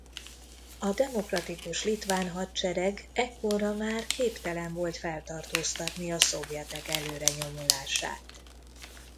A demokratikus litván hadsereg ekkorra már képtelen volt feltartóztatni a szovjetek előrenyomulását.